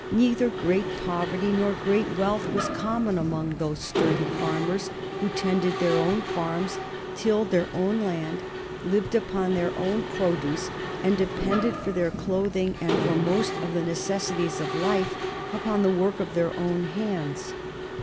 Neither great poverty nor great wealth was common among those sturdy farmers, who tended their own farms, tilled their own land, lived upon their own produce, and depended for their clothing and for most of the necessaries of life upon the work of their own hands.